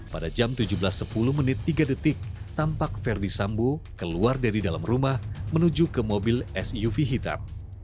pada jam tujuh belas sepuluh tiga tampak ferdi sambu keluar dari dalam rumah menuju ke mobil suv hitam